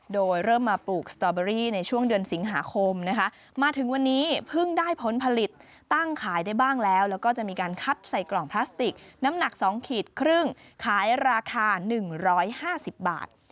โดยเริ่มมาปลูกสตอเบอรี่ในช่วงเดือนสิงหาคมนะคะมาถึงวันนี้เพิ่งได้ผลผลิตตั้งขายได้บ้างแล้วแล้วก็จะมีการคัดใส่กล่องพลาสติกน้ำหนัก๒ขีดครึ่งขายราคา๑๕๐บาท